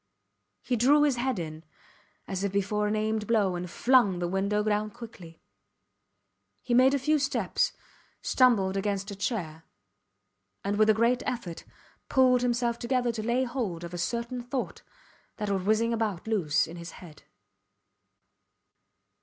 He drew his head in, as if before an aimed blow, and flung the window down quickly. He made a few steps, stumbled against a chair, and with a great effort, pulled himself together to lay hold of a certain thought that was whizzing about loose in his head.